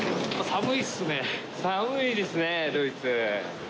寒いですねドイツ。